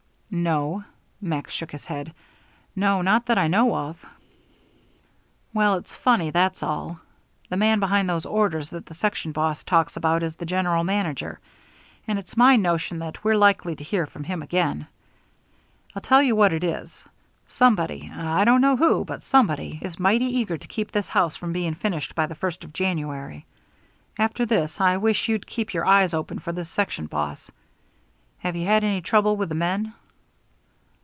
"No" Max shook his head "no, not that I know of." "Well, it's funny, that's all. The man behind those orders that the section boss talks about is the general manager; and it's my notion that we're likely to hear from him again. I'll tell you what it is. Somebody I don't know who, but somebody is mighty eager to keep this house from being finished by the first of January. After this I wish you'd keep your eyes open for this section boss. Have you had any trouble with the men?"